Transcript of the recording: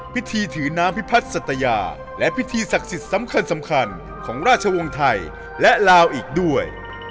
พิธีถือน้ำพิพัฒน์สัตยาและพิธีศักดิ์สิทธิ์สำคัญสำคัญของราชวงศ์ไทยและลาวอีกด้วย